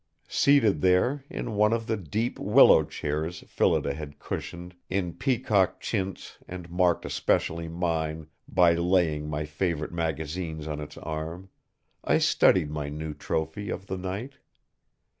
Seated there, in one of the deep willow chairs Phillida had cushioned in peacock chintz and marked especially mine by laying my favorite magazines on its arm, I studied my new trophy of the night.